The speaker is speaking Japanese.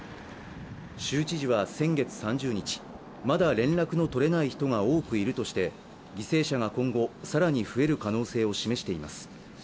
州知事は先月３０日、まだ連絡が取れない人が多くいるとして、犠牲者が今後更に増える可能性を示しています。